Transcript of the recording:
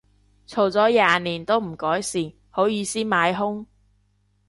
嘈咗廿年都唔改善，好意思買兇